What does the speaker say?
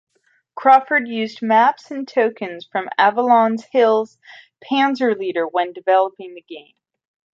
Crawford used maps and tokens from Avalon Hill's "Panzer Leader" when developing the game.